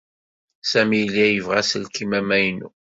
Sami yella yebɣa aselkim amaynu.